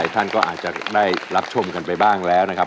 ท่านก็อาจจะได้รับชมกันไปบ้างแล้วนะครับ